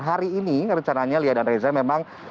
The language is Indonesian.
hari ini rencananya lia dan reza memang